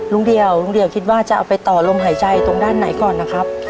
เดี่ยวลุงเดี่ยวคิดว่าจะเอาไปต่อลมหายใจตรงด้านไหนก่อนนะครับ